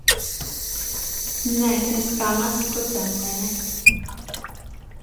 Nē, tu esi kā mazs kucēns, vai ne?